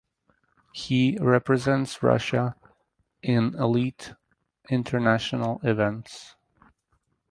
He represents Russia in elite international events.